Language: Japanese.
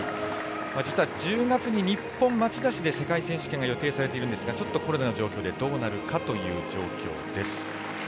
実は１０月に日本の町田市で世界選手権が予定されているんですがコロナの状況でどうなるかという状況です。